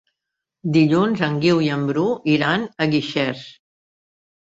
Dilluns en Guiu i en Bru iran a Guixers.